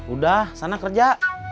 udah sana kerja